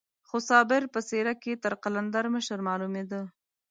خو صابر په څېره کې تر قلندر مشر معلومېده.